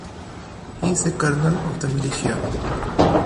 He is a colonel of the militia.